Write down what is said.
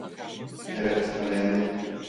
Evet, önemli.